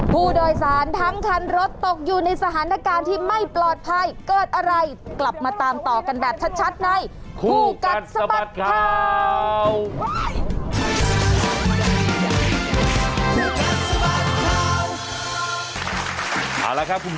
ผู้โดยสารทั้งคันรถตกอยู่ในสถานการณ์ที่ไม่ปลอดภัยเกิดอะไรกลับมาตามต่อกันแบบชัดในคู่กัดสะบัดข่าว